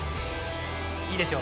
いいでしょ